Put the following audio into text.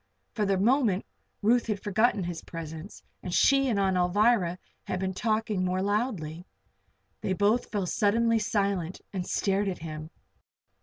For the moment Ruth had forgotten his presence and she and Aunt Alvirah had been talking more loudly. They both fell suddenly silent and stared at him.